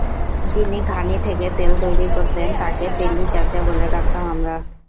যিনি ঘানি থেকে তেল তৈরি করতেন, তাঁকে তেলি চাচা বলে ডাকতাম আমরা।